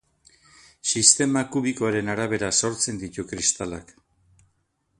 Sistema kubikoaren arabera sortzen ditu kristalak.